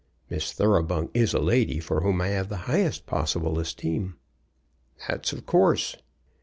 Miss Thoroughbung is a lady for whom I have the highest possible esteem." "That's of course."